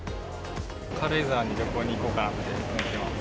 軽井沢に旅行に行こうかなと思っています。